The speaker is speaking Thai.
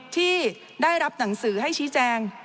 ที่ได้รับหนังสือให้ชี้แจง